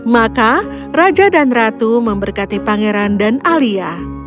maka raja dan ratu memberkati pangeran dan alia